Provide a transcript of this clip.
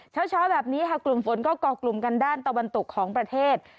เช้าแบบนี้ค่ะกลุ่มฝนก็ก่อกลุ่มกันด้านตะวันตกของประเทศ